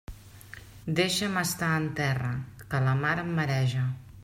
Deixa'm estar en terra, que la mar em mareja.